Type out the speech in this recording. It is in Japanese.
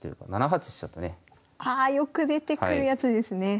ああよく出てくるやつですね。